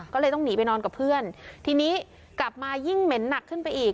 ก็เลยต้องหนีไปนอนกับเพื่อนทีนี้กลับมายิ่งเหม็นหนักขึ้นไปอีก